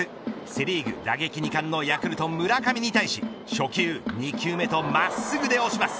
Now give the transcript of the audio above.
セ・リーグ打撃２冠のヤクルト、村上に対し初球、２球目と真っすぐで押します。